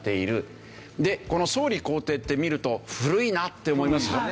でこの総理公邸って見ると古いなって思いますでしょ。